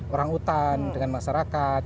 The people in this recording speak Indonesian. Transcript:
orang hutan dengan masyarakat